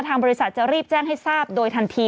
ทางบริษัทจะรีบแจ้งให้ทราบโดยทันที